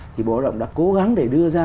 thì bộ lao động đã cố gắng để đưa ra